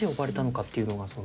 っていうのがその。